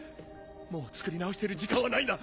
もう作り直してる時間はないんだ！